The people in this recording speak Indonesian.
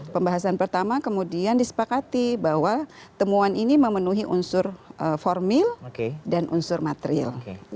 pembahasan pertama kemudian disepakati bahwa temuan ini memenuhi unsur formil dan unsur material